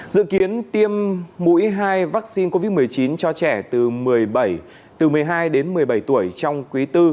dự kiến tiêm mũi hai vaccine covid một mươi chín cho trẻ từ một mươi hai đến một mươi bảy tuổi trong quý bốn